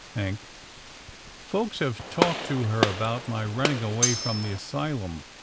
Hank. Folks have talked to her about my running away from the asylum.